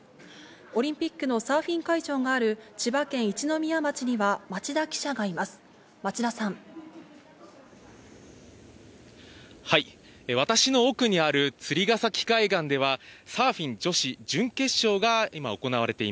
オリンピックのサーフィン会場がある千葉県一宮町には町田記者がはい。